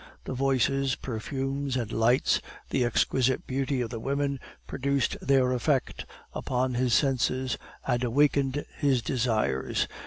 The voices, perfumes, and lights, the exquisite beauty of the women, produced their effect upon his senses, and awakened his desires.